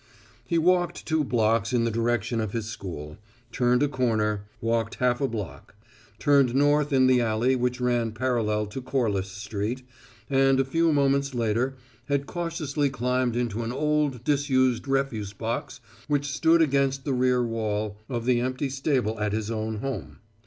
He walked two blocks in the direction of his school; turned a corner; walked half a block; turned north in the alley which ran parallel to Corliss Street, and a few moments later had cautiously climbed into an old, disused refuse box which stood against the rear wall of the empty stable at his own home.